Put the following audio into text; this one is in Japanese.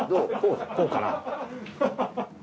こうかな？